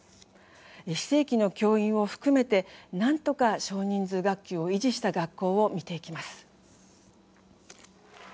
非正規の教員を含めてなんとか少人数学級を維持した学校を見ていきます。